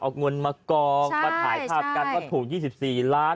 เอาเงินมากองมาถ่ายภาพกันว่าถูก๒๔ล้าน